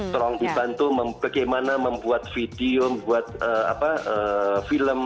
tolong dibantu bagaimana membuat video membuat film